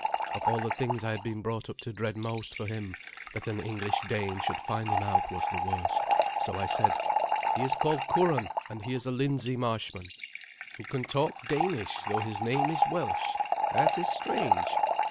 Of all the things I had been brought up to dread most for him, that an English Dane should find him out was the worst, so I said, "He is called Curan, and he is a Lindsey marshman." "Who can talk Danish though his name is Welsh. That is strange.